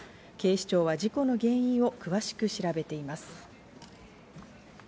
警視庁は事故の原因を詳しく調べています。